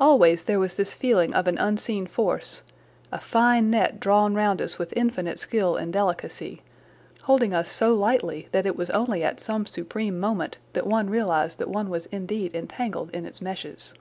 Always there was this feeling of an unseen force, a fine net drawn round us with infinite skill and delicacy, holding us so lightly that it was only at some supreme moment that one realised that one was indeed entangled in its meshes.